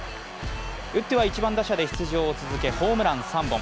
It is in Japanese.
打っては１番打者で出場を続け、ホームラン３本。